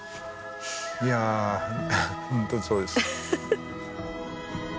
いや本当そうです。